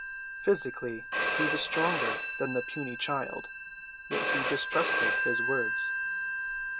Physically he was stronger than the puny child. Yet he distrusted his words.